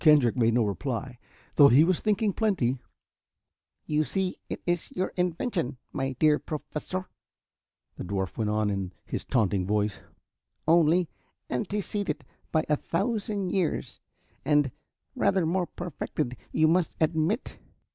Kendrick made no reply, though he was thinking plenty. "You see, it is your invention, my dear Professor," the dwarf went on in his taunting voice, "only anteceded by a thousand years and rather more perfected, you must admit."